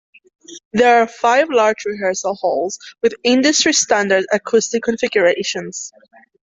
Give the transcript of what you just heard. There are five large rehearsal halls with industry-standard acoustic configurations.